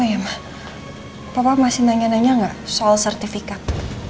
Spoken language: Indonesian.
oh iya mah papa masih nanya nanya gak soal sertifikat